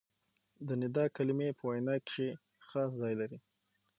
د ندا کلیمې په وینا کښي خاص ځای لري.